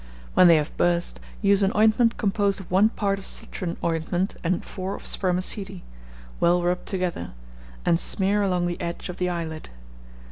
When they have burst, use an ointment composed of one part of citron ointment and four of spermaceti, well rubbed together, and smear along the edge of the eyelid.